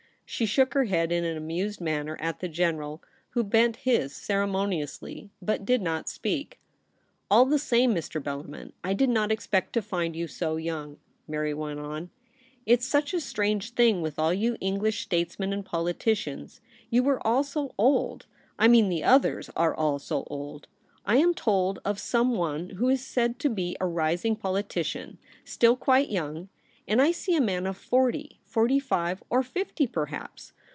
She shook her head in an amused manner at the General, who bent his ceremoniously, but did not speak. 'All the same, Mr. Bellarmin, I did not ex pect to find you so young,' Mary went on. ' It's such a strange thing with all you English statesmen and politicians — you are all so old. I mean the others are all so old. I am told of some one who is said to be a rising politi cian, still quite young ; and I see a man of forty, forty five, or fifty perhaps.